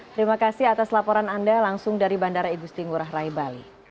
terima kasih atas laporan anda langsung dari bandara igusti ngurah rai bali